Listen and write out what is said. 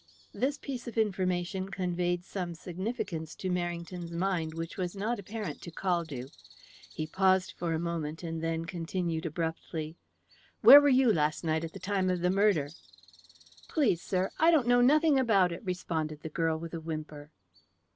This piece of information conveyed some significance to Merrington's mind which was not apparent to Caldew. He paused for a moment, and then continued abruptly: "Where were you last night at the time of the murder?" "Please, sir, I don't know nothing about it," responded the girl with a whimper.